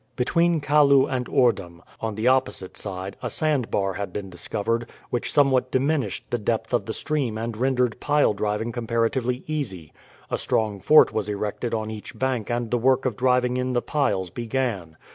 Between Kalloo and Oordam, on the opposite side, a sand bar had been discovered, which somewhat diminished the depth of the stream and rendered pile driving comparatively easy. A strong fort was erected on each bank and the work of driving in the piles began.